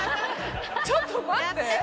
ちょっと待って。